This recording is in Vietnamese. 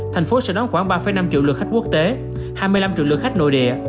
thành phố sẽ đón khoảng ba năm triệu lượt khách quốc tế hai mươi năm triệu lượt khách nội địa